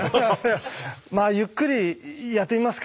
まあゆっくりやってみますか？